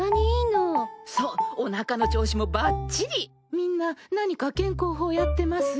みんな何か健康法やってます？